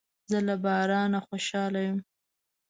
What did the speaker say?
زه له بارانه خوشاله یم.